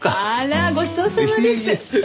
あらごちそうさまです。